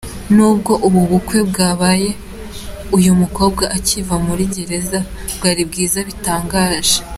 Nubwo ubu bukwe bwabaye uyu mukobwa akiva muri gereza bwari bwiza bitangaje.